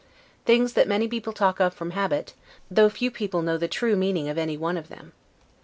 things that many people talk of from habit, though few people know the true meaning of anyone of them.